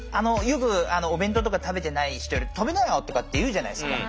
よくお弁当とか食べてない人に「食べなよ」とかって言うじゃないですか。